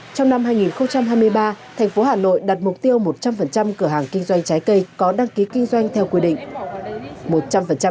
trong năm hai nghìn hai mươi ba thành phố hà nội đặt mục tiêu một trăm linh cửa hàng kinh doanh trái cây có đăng ký kinh doanh theo quy định